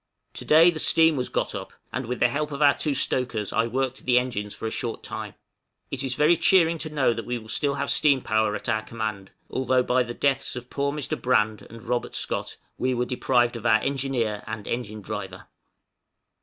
To day the steam was got up, and with the help of our two stokers I worked the engines for a short time. It is very cheering to know that we still have steam power at our command, although, by the deaths of poor Mr. Brand and Robert Scott, we were deprived of our engineer and engine driver.